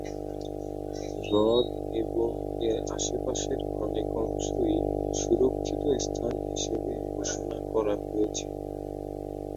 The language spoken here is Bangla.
হ্রদ এবং এর আশপাশের অনেক অংশই সুরক্ষিত স্থান হিসাবে ঘোষণা করা হয়েছে।